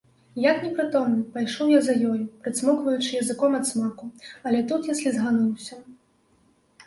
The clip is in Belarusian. Як непрытомны, пайшоў я за ёю, прыцмокваючы языком ад смаку, але тут я слізгануўся.